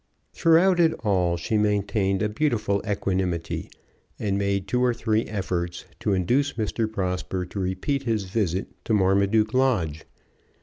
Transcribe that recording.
Throughout it all she maintained a beautiful equanimity, and made two or three efforts to induce Mr. Prosper to repeat his visit to Marmaduke Lodge.